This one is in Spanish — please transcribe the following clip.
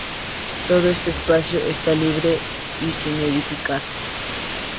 Todo este espacio estaba libre y sin edificar.